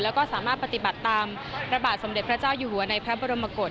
แล้วก็สามารถปฏิบัติตามพระบาทสมเด็จพระเจ้าอยู่หัวในพระบรมกฏ